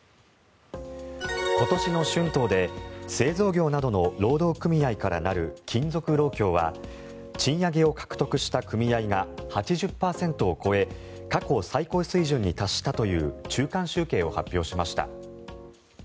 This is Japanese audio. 今年の春闘で製造業などの労働組合からなる金属労協は賃上げを獲得した組合が８０％を超え過去最高水準に達したという中間集計を発表しました。